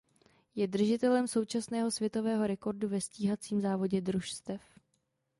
Je držitelem současného světového rekordu ve stíhacím závodě družstev.